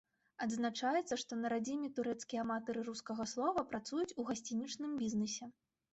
Адзначаецца, што на радзіме турэцкія аматары рускага слова працуюць у гасцінічным бізнэсе.